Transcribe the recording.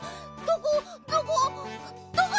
どこ？